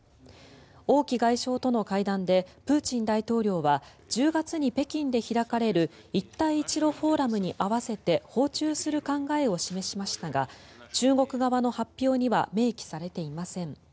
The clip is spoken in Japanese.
王毅外相との会談でプーチン大統領は１０月に北京で開かれる一帯一路フォーラムに合わせて訪中する考えを示しましたが中国側の発表には明記されていません。